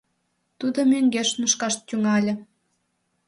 Тудо мӧҥгеш нушкаш тӱҥале.